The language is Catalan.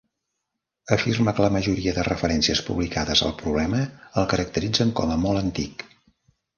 Afirma que la majoria de referències publicades al problema el caracteritzen com a "molt antic".